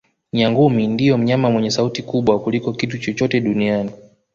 Nyangumi ndiye mnyama mwenye sauti kubwa kuliko kitu chochote duniani